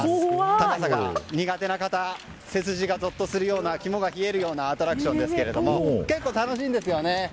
高さが苦手な方背筋がぞっとするような肝が冷えるようなアトラクションですが結構、楽しいんですよね。